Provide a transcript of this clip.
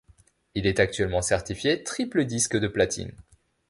Il est actuellement certifié triple disque de platine.